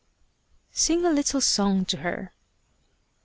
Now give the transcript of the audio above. "Sing a little song to her."